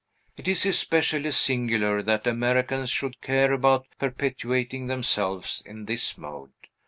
It is especially singular that Americans should care about perpetuating themselves in this mode.